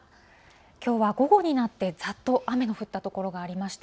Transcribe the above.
きょうは午後になって、ざっと雨が降った所がありました。